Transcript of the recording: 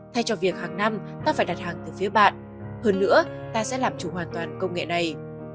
thay cho việc hàng năm ta phải đặt hàng từ phía bạn hơn nữa ta sẽ làm chủ hoàn toàn công nghệ này